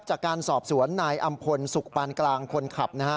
จากการสอบสวนไนยอำภงสุคปันกลางคนขับ